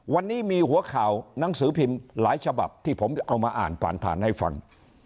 วันนี้มีหัวข่าวหนังสือพิมพ์หลายฉบับที่ผมเอามาอ่านผ่านผ่านให้ฟัง